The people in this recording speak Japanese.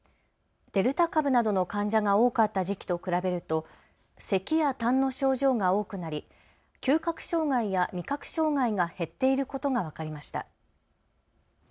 デルタ株などの患者が多かった時期と比べるとせきやたんの症状が多くなり嗅覚障害や味覚障害が減っていることが分かりました。